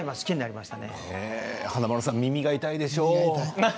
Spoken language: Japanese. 華丸さん耳が痛いでしょ？